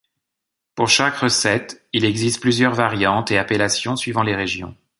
Pour chaque recette, il existe plusieurs variantes et appellations suivant les régions.